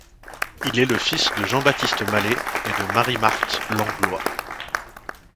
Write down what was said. Il est le fils de Jean-Baptiste Mallet et de Marie-Marthe Langlois.